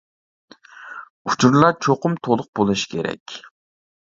ئۇچۇرلار چوقۇم تولۇق بولۇشى كېرەك.